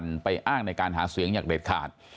ในชุดปัจจุบันไปอ้างในการหาเสียงอย่างเด็ดขาด